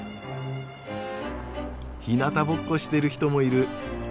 ひなたぼっこしてる人もいる。